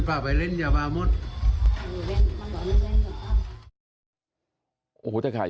ในเดือนอีกเดือนนี่เลย